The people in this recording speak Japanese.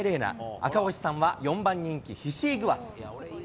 赤星さんは４番人気、ヒシイグアス。